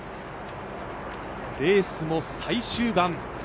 レースも最終盤。